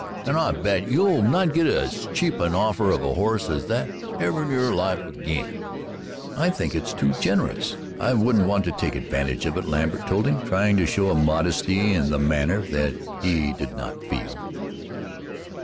And I bet you'll not git as cheap an offer of a horse as that ever in your life ag'in." "I think it's too generous I wouldn't want to take advantage of it," Lambert told him, trying to show a modesty in the matter that he did not feel.